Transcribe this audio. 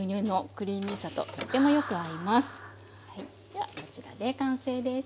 ではこちらで完成です。